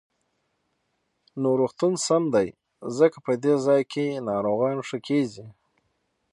نو روغتون سم دی، ځکه په دې ځاى کې ناروغان ښه کېږي.